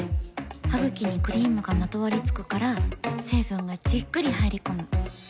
ハグキにクリームがまとわりつくから成分がじっくり入り込む。